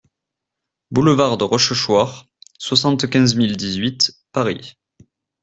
Boulevard de Rochechouart, soixante-quinze mille dix-huit Paris